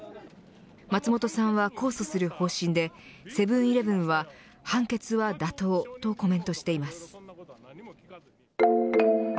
松本さんは控訴する方針でセブン‐イレブンは、判決は妥当とコメントしています。